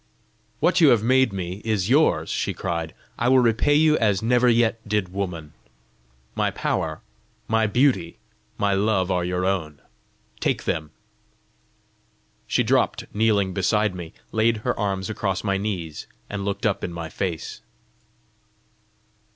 "What you have made me is yours!" she cried. "I will repay you as never yet did woman! My power, my beauty, my love are your own: take them." She dropt kneeling beside me, laid her arms across my knees, and looked up in my face.